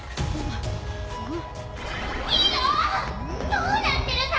どうなってるさ！？